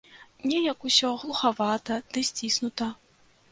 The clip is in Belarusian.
Неяк усё глухавата ды сціснута.